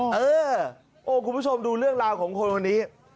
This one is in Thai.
เออคุณผู้ชมดูเรื่องราวของคนคนนี้